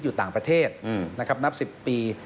อยู่ต่างประเทศนับ๑๐ปี